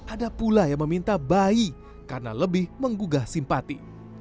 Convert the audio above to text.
ada pula yang meminta bayi karena lebih menggugah simpati